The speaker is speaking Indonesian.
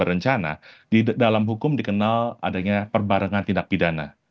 yang saya katakan itu adalah perbarangan tindak pidana